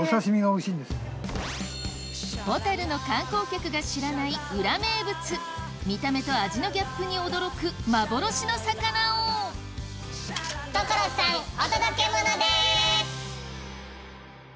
小樽の観光客が知らない裏名物見た目と味のギャップに驚く幻の魚を所さんお届けモノです！